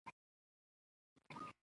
اِسناد د مسندالیه او مسند تر منځ حکم کوي.